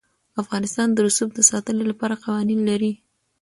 افغانستان د رسوب د ساتنې لپاره قوانین لري.